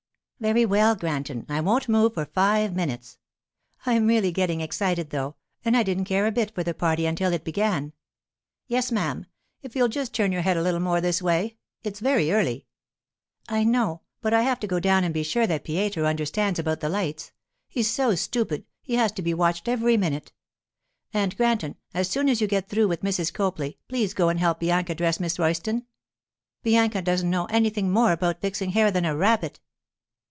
'Very well, Granton; I won't move for five minute. I'm really getting excited, though; and I didn't care a bit for the party until it began.' 'Yes, ma'am. If you'll just turn your head a little more this way. It's very early.' 'I know, but I have to go down and be sure that Pietro understands about the lights. He's so stupid, he has to be watched every minute. And, Granton, as soon as you get through with Mrs. Copley please go and help Bianca dress Miss Royston. Bianca doesn't know anything more about fixing hair than a rabbit.